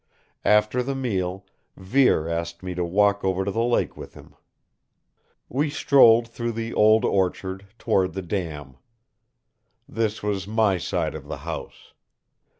After the meal, Vere asked me to walk over to the lake with him. We strolled through the old orchard toward the dam. This was my side of the house.